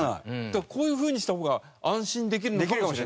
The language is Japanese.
こういうふうにした方が安心できるのかもしれない。